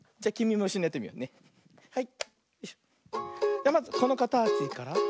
じゃまずこのかたちから。